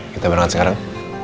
kita berangkat sekarang